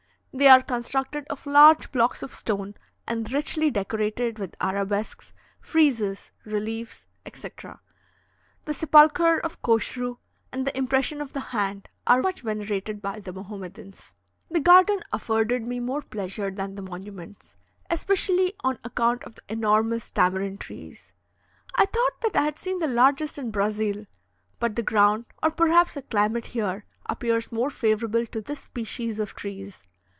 They are constructed of large blocks of stone, and richly decorated with arabesques, friezes, reliefs, etc. The sepulchre of Koshru and the impression of the hand are much venerated by the Mahomedans. The garden afforded me more pleasure than the monuments especially on account of the enormous tamarind trees. I thought that I had seen the largest in Brazil, but the ground, or perhaps the climate, here appears more favourable to this species of trees.